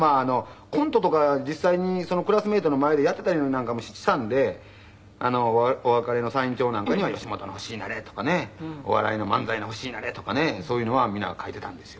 コントとか実際にクラスメートの前でやってたりなんかもしたんでお別れのサイン帳なんかには「吉本の星になれ」とかねお笑いの「漫才の星になれ」とかねそういうのは皆書いてたんですよ。